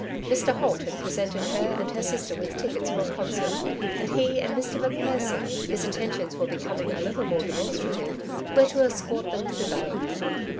Mr. Holt had presented her and her sister with tickets for a concert, and he and Mr. Macpherson, whose atten tions were becoming a little more demonstrative, were to escort them thither.